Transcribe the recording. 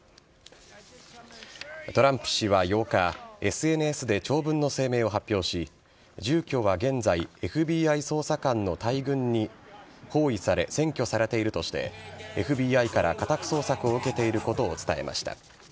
トランプ氏は８日、ＳＮＳで長文の声明を発表し、住居は現在、ＦＢＩ捜査官の大群に包囲され、占拠されているとして、ＦＢＩから家宅捜索を受けていることを伝えました。